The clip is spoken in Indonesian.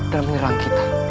dan menyerang kita